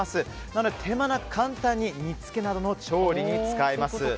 なので、手間なく簡単に煮つけなどの調理に使えます。